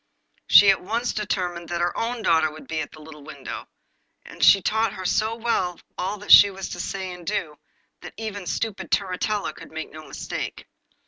She at once determined that her own daughter should be at the little window; and she taught her so well all she was to say and do, that even the stupid Turritella could make no mistake.